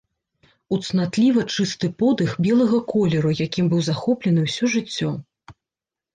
У цнатліва чысты подых белага колеру, якім быў захоплены ўсё жыццё.